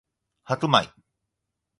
白米